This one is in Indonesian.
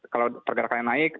kalau pergerakannya naik